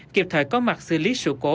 kiệp thời có mặt xử lý sự cố